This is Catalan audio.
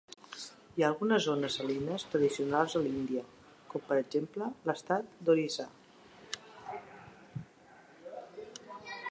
Hi ha algunes zones salines tradicionals a l'Índia, com per exemple l'estat d'Orissa.